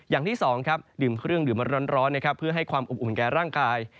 อย่างที่สองครับดื่มเครื่องดื่มมาร้อนนะครับเพื่อให้ความอบอุ่นแก่ร่างกาย